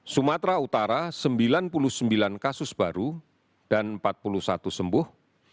sumatera utara sembilan puluh sembilan kasus baru dan empat puluh satu sembuh